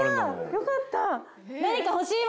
よかった。